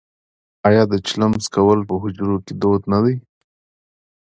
آیا د چلم څکول په حجرو کې دود نه دی؟